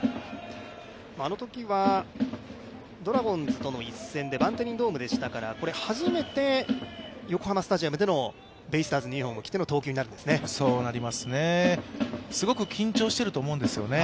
あのときはドラゴンズとの一戦でバンテリンドームでしたから初めて横浜スタジアムでのベイスターズのユニフォームを着ての投球になるんですね。